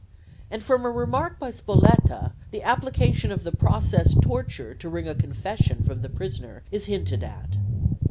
and from a remark by Spoletta the application of the process torture to wring a confession from the prisoner is hinted at.